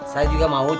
saya juga mau ce